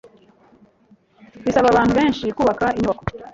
Bisaba abantu benshi kubaka inyubako.